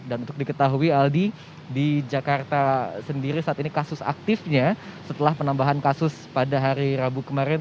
dan untuk diketahui aldi di jakarta sendiri saat ini kasus aktifnya setelah penambahan kasus pada hari rabu kemarin